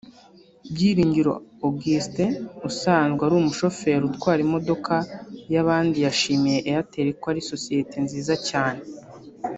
Byiringiro Augustin usanzwe ari umushoferi utwara imodoka y’abandi yashimiye Airtel ko ari Sosiyete nziza cyane